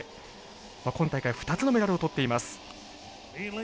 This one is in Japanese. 今大会２つのメダルを取っています。